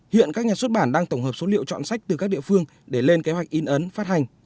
hiện các nhà xuất bản đang tổng hợp số liệu chọn sách từ các địa phương để lên kế hoạch in ấn phát hành